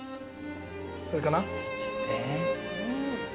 これかな？